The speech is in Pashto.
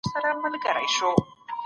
نور خپلي ويني ته شعرونه ليكو